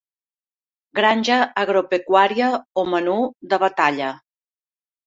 Granja agropecuària o menú de batalla.